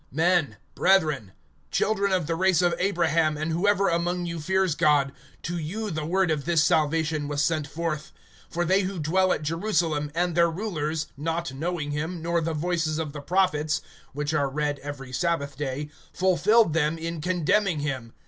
(26)Men, brethren, children of the race of Abraham, and whoever among you fears God, to you the word of this salvation was sent forth. (27)For they who dwell at Jerusalem, and their rulers, not knowing him, nor the voices of the prophets which are read every sabbath day, fulfilled them in condemning him.